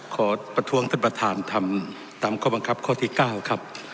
ขอประท้วงท่านประธานทำตามข้อบังคับข้อที่๙ครับ